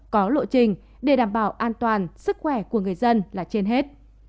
có lộ trình để đảm bảo an toàn sức khỏe của người dân là trên hết